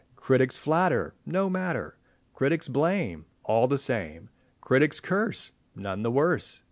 Critics flatter—no matter! Critics blame—all the same! Critics curse—none the worse!